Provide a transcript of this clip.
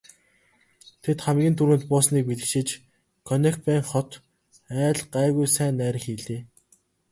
Тэд хамгийн түрүүнд буусныг бэлэгшээж Конекбайн хот айл гайгүй сайн найр хийлээ.